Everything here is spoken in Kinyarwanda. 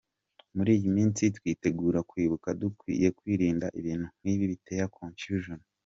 Muri iyi minsi twitegura kwibuka dukwiye kwirinda ibintu nk’ibi bitera confusion.